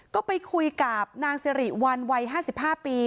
ก็ไปคุยกับนางสิริวัลวัย๕๕ปี